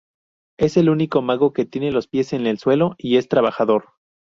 Es el único mago que tiene los pies en el suelo y es trabajador.